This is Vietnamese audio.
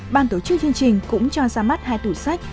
ban tổ chức chương trình cũng cho ra mắt hai tủ sách